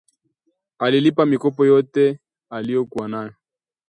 Alilipa mikopo yote aliyokuwa nayo